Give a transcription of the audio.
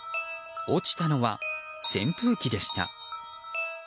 落ちたのは、扇風機でした。